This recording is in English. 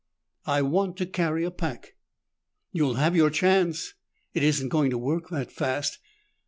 "I want to carry a pack." "You'll have your chance; it isn't going to work that fast.